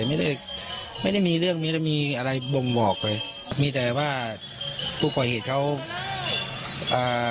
ไม่ได้ไม่ได้มีเรื่องไม่ได้มีอะไรบ่งบอกเลยมีแต่ว่าผู้ก่อเหตุเขาอ่า